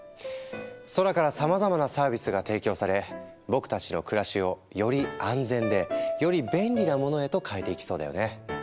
空からさまざまなサービスが提供され僕たちの暮らしをより安全でより便利なものへと変えていきそうだよね。